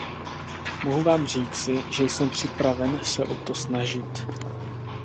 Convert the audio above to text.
Mohu vám říci, že jsem připraven se o to snažit.